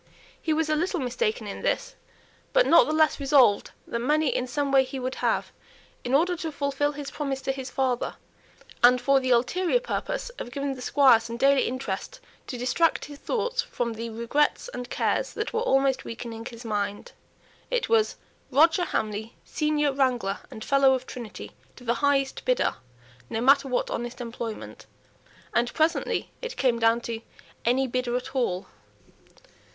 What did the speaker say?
He was a little mistaken in this, but not the less resolved that money in some way he would have in order to fulfil his promise to his father, and for the ulterior purpose of giving the squire some daily interest to distract his thoughts from the regrets and cares that were almost weakening his mind. It was "Roger Hamley, senior wrangler and Fellow of Trinity, to the highest bidder, no matter what honest employment," and presently it came down to "any bidder at all."